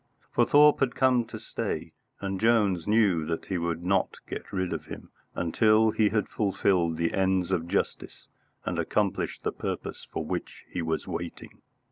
For Thorpe had come to stay, and Jones knew that he would not get rid of him until he had fulfilled the ends of justice and accomplished the purpose for which he was waiting.